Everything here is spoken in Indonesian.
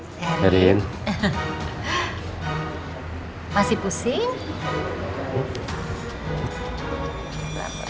kita tidak menemukan sama sekali bekas bisa ular pada tubuh mereka